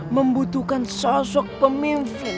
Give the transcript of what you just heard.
membutuhkan sosok pemimpin